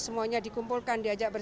semuanya dikumpul ke jawa timur